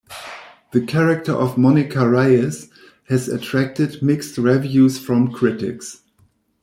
The character of Monica Reyes has attracted mixed reviews from critics.